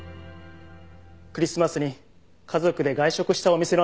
クリスマスに家族で外食したお店の味を。